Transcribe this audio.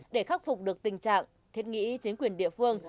để khắc phục được tình trạng thiết nghĩ chính quyền địa phương